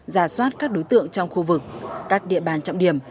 giả soát các đối tượng trong khu vực các địa bàn trọng điểm